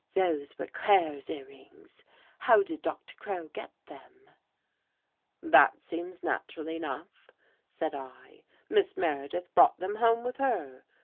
Those were Claire's earrings. How did Doctor Crow get them ?"'' That seems natural enough," said 1. " Miss Meredith brought them home with her.